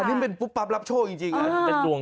อันนี้มันเป็นปุ๊บปั๊บรับโชคจริง